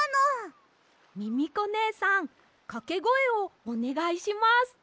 ミミコねえさんかけごえをおねがいします。